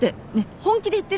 本気で言ってる？